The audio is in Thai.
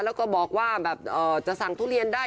แล้วก็บอกว่าแบบจะสั่งทุเรียนได้